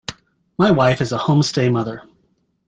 My wife is a home-stay mother.